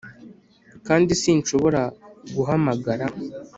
kandi sinshobora guhamagara